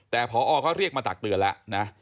แต่พอเขาเรียกมาตักเตือนแล้วนะ